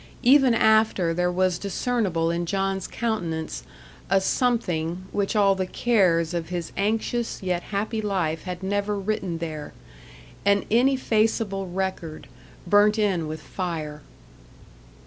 Ever after there was discernible in John's countenance a something which all the cares of his anxious yet happy life had never written there an ineffaceable record, burnt in with fire.